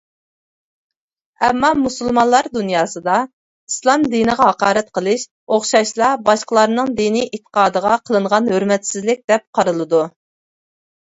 ئەمما مۇسۇلمانلار دۇنياسىدا، ئىسلام دىنىغا ھاقارەت قىلىش ئوخشاشلا باشقىلارنىڭ دىنى ئېتىقادىغا قىلىنغان ھۆرمەتسىزلىك دەپ قارىلىدۇ.